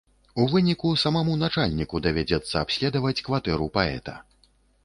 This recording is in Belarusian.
У выніку самаму начальніку давядзецца абследаваць кватэру паэта.